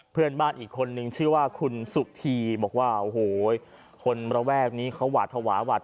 เพื่อนบ้านอีกคนนึงชื่อว่าคุณสุธีบอกว่าโอ้โหคนระแวกนี้เขาหวาดภาวะหวาด